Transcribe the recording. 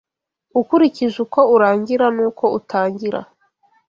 Ukurikije uko urangira n’uko utangira